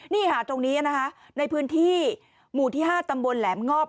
นี่ค่ะตรงนี้นะคะในพื้นที่หมู่ที่๕ตำบลแหลมงอบ